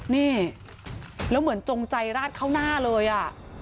นี่แล้วเหมือนจงใจราดเข้าหน้าเลยอ่ะ